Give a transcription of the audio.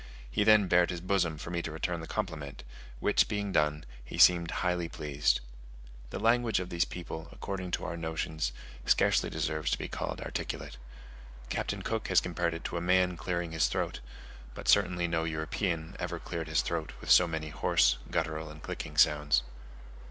He then bared his bosom for me to return the compliment, which being done, he seemed highly pleased. The language of these people, according to our notions, scarcely deserves to be called articulate. Captain Cook has compared it to a man clearing his throat, but certainly no European ever cleared his throat with so many hoarse, guttural, and clicking sounds.